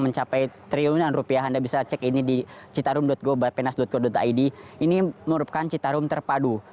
mencapai triliunan rupiah anda bisa cek ini di citarum go bapenas co id ini merupakan citarum terpadu